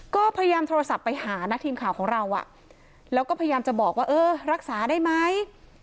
ก็พยายามโทรศัพท์ไปหานะทีมข่าวของเราแล้วก็พยายามจะบอกว่าเออรักษาได้ไหม